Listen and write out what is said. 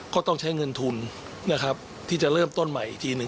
ก็ต้องใช้เงินทุนนะครับที่จะเริ่มต้นใหม่อีกทีหนึ่ง